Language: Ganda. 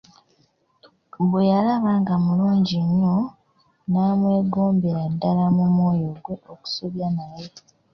Bwe yalaba nga mulungi nnyo, n'amwegombera ddala mu mwoyo gwe okusobya naye.